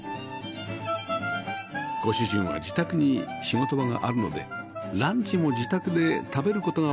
ご主人は自宅に仕事場があるのでランチも自宅で食べる事が多いそう